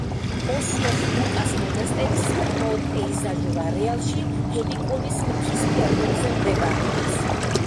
ოსიოს ლუკას მონასტერი საკმაოდ პეიზაჟურ არეალში, ჰელიკონის მთის ფერდობზე მდებარეობს.